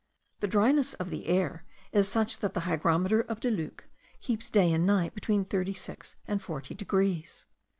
The dryness of the air is such that the hygrometer of Deluc keeps day and night between 36 and 40 degrees.